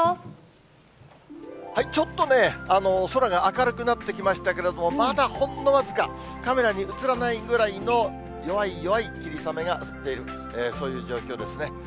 ちょっとね、空が明るくなってきましたけれども、まだほんの僅か、カメラに映らないぐらいの弱い弱い霧雨が降っている、そういう状況ですね。